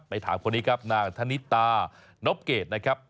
ถามคนนี้ครับนางธนิตานบเกรดนะครับ